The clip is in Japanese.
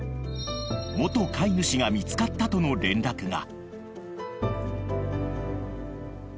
［元飼い主が見つかったとの連絡が］